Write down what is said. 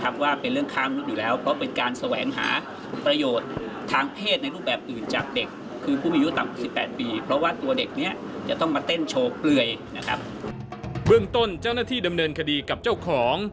เบื้องต้นเจ้าหน้าที่ดำเนินคดีกับเจ้าของ